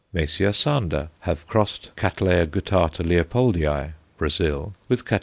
Messrs. Sander have crossed Catt. guttata Leopoldii, Brazil, with _Catt.